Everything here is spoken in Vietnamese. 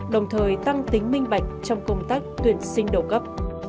đồng thời tăng tính minh bạch trong công tác tuyển sinh đầu cấp